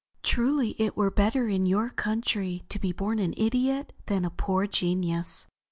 Truly it were better in your country to be born an idiot than a poor genius."